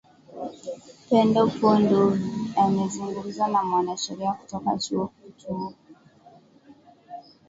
pendo po ndovi amezungumza na mwanasheria kutoka chuo kituo